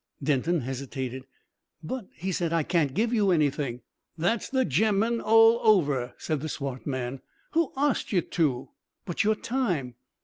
Denton hesitated. "But " he said, "I can't give you anything " "That's the ge'man all over," said the swart man. "Who arst you to?" "But your time?"